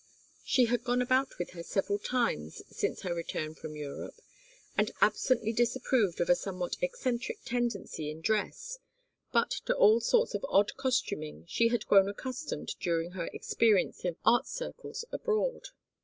She had gone about with her several times since her return from Europe, and absently disapproved of a somewhat eccentric tendency in dress, but to all sorts of odd costuming she had grown accustomed during her experience of art circles abroad.